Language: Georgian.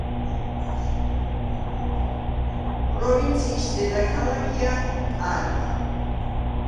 პროვინციის დედაქალაქია ტარმა.